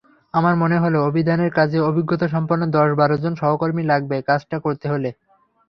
আমার মনে হলো, অভিধানের কাজে অভিজ্ঞতাসম্পন্ন দশ-বারোজন সহকর্মী লাগবে কাজটা করতে হলে।